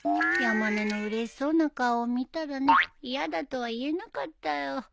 山根のうれしそうな顔を見たらね嫌だとは言えなかったよ。